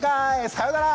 さよなら！